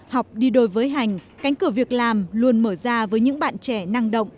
học đi đôi với hành cánh cửa việc làm luôn mở ra với những bạn trẻ năng động